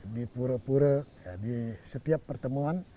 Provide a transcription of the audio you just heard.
di pura pura di setiap pertemuan